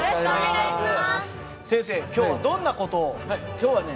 今日はね